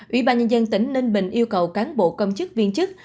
ủy ban nhân dân tỉnh ninh bình yêu cầu cán bộ công chức viên chức